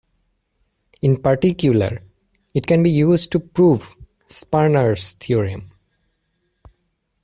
In particular, it can be used to prove Sperner's theorem.